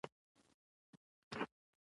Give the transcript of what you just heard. د الوتکې د څوکیو شمېره مې لوستله.